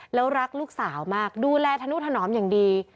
แล้วรักลูกสาวมากดูแลธนุถนอมอย่างดี